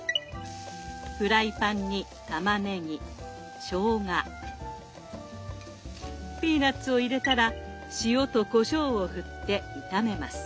フライパンにたまねぎしょうがピーナッツを入れたら塩とこしょうをふって炒めます。